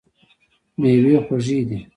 میوې خوږې دي.